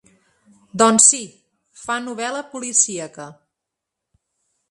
Doncs sí, fa novel·la policíaca.